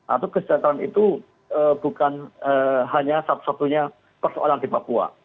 atau kesejahteraan itu bukan hanya satu satunya persoalan di papua